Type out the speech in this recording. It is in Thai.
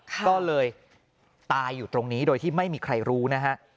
ก็เลยตายอยู่ตรงนี้โดยที่ไม่มีใครรู้นะฮะ